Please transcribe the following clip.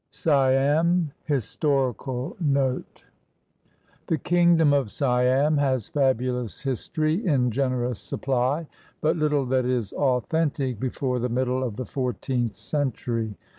SIAM HISTORICAL NOTE The kingdom of Siam has fabulous history in generous sup ply, but little that is authentic before the middle of the four teenth century.